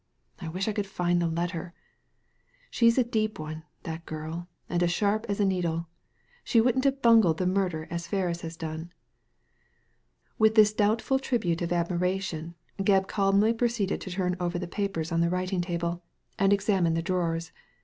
I wish I could find the letter. She's a deep one, that girl, and as sharp as a needle. She wouldn't have bungled the murder as Ferris has done." With this doubtful tribute of admiration, Gebb calmly proceeded to turn over the papers on the Digitized by Google 134 THE LADY FROM NOWHERE writing table, and examine the drawers.